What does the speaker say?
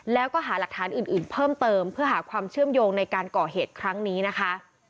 แล้วก็หาหลักฐานอื่นเพิ่มเติมเพื่อหาความเชื่อมโยงในการก่อเหตุครั้งนี้นะคะ